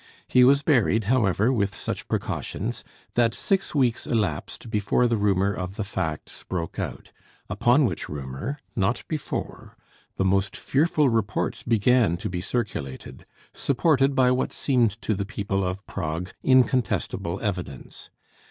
He was buried, however, with such precautions, that six weeks elapsed before the rumour of the facts broke out; upon which rumour, not before, the most fearful reports began to be circulated, supported by what seemed to the people of Prague incontestable evidence.